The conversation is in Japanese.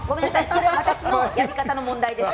これは私のやり方の問題でした。